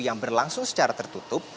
yang berlangsung secara tertutup